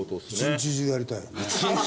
一日中やりたいよね。